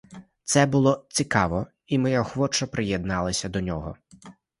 Це було цікаво, і ми охоче приєдналися до нього.